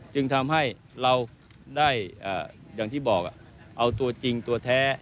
จึงทำให้เราได้อย่างที่บอกเอาตัวจริงตัวแท้